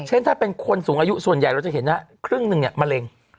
เช่นถ้าเป็นคนสูงอายุส่วนใหญ่เราจะเห็นว่าครึ่งหนึ่งเนี่ยมะเร็ง